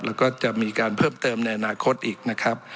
แล้วก็จะมีการเพิ่มเติมในอนาคตอีกนะครับ